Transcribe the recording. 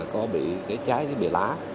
có bị trái với bìa lá